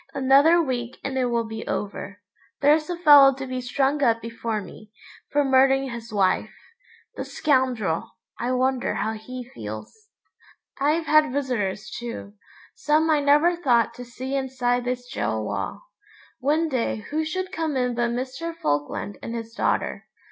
Another week and it will be over. There's a fellow to be strung up before me, for murdering his wife. The scoundrel, I wonder how he feels? I've had visitors too; some I never thought to see inside this gaol wall. One day who should come in but Mr. Falkland and his daughter.